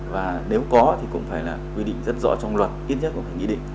và nếu có thì cũng phải là quy định rất rõ trong luật ít nhất là hình vi định